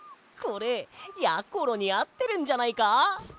これやころにあってるんじゃないか？